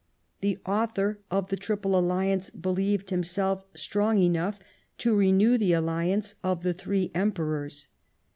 The author of the Triple Alliance believed himself strong enough to renew the Alliance of the three Emperors.